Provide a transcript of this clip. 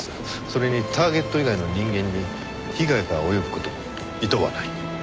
それにターゲット以外の人間に被害が及ぶ事もいとわない。